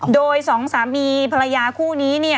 โดยสองสามีภรรยาคู่นี้